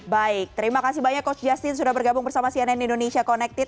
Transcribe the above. baik terima kasih banyak coach justin sudah bergabung bersama cnn indonesia connected